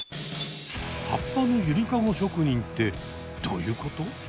葉っぱのユリカゴ職人ってどういうこと？